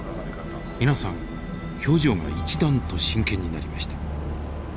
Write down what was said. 皆さん表情が一段と真剣になりました。